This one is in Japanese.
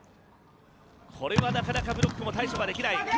これはなかなかブロックも対処ができない。